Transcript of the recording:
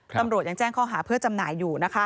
ตำรวจยังแจ้งข้อหาเพื่อจำหน่ายอยู่